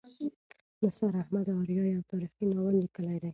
نثار احمد آریا یو تاریخي ناول لیکلی دی.